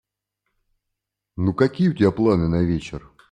Ну какие у тебя планы на вечер?